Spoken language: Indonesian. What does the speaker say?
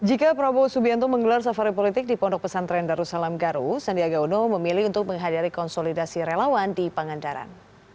jika prabowo subianto menggelar safari politik di pondok pesantren darussalam garu sandiaga uno memilih untuk menghadiri konsolidasi relawan di pangandaran